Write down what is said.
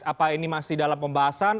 apa ini masih dalam pembahasan